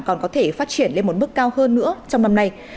còn có thể phát triển lên một mức cao hơn nữa trong năm nay